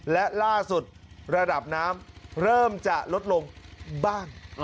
และล่าสุดระดับน้ำเริ่มจะลดลงบ้าง